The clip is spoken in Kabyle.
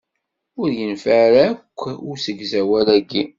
Ur yenfiɛ ara akk usegzawal-ayi.